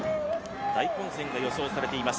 大混戦が予想されています